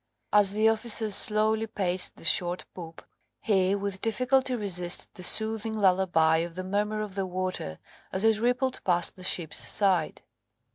As the officer slowly paced the short poop, he with difficulty resisted the soothing lullaby of the murmur of the water as it rippled past the ship's side.